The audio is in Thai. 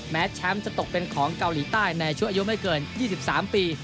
แม้แชมป์จะตกเป็นของเกาหลีใต้ในช่วงอายุไม่เกิน๒๓ปี